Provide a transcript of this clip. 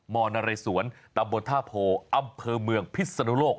มนเรสวนตำบลท่าโพอำเภอเมืองพิศนุโลก